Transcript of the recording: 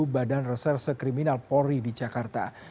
badan reserse kriminal polri di jakarta